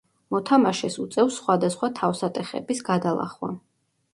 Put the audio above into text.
მოთამაშეს უწევს სხვადასხვა თავსატეხების გადალახვა.